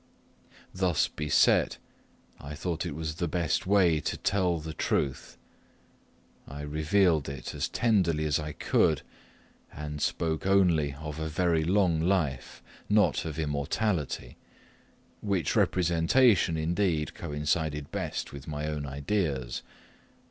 Thus beset, methought it was the best way to tell the truth. I revealed it as tenderly as I could, and spoke only of a very long life, not of immortality which representation, indeed, coincided best with my own ideas.